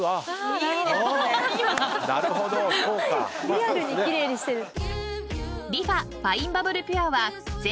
リアルに奇麗にしてる。